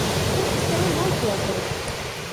تم اس طرح نہ کیا کرو